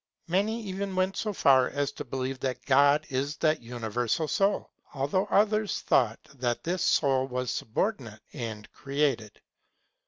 Many even went so far as to believe that God is that universal soul, although others thought that this soul was subordinate and created.